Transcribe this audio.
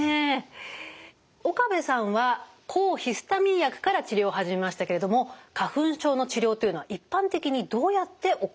岡部さんは抗ヒスタミン薬から治療を始めましたけれども花粉症の治療というのは一般的にどうやって行われるのか。